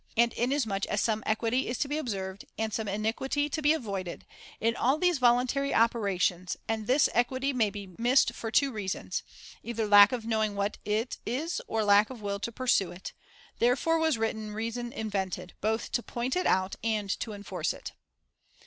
And inasmuch as some equity is to be observed, and some iniquity to be avoided, in all these voluntary operations, and this equity may be missed for two reasons — either lack of knowing what it ] is or lack of will to pur sue it — therefore was written reason invented, IX. THE FOURTH TREATISE 271 both to point it out and to enforce it.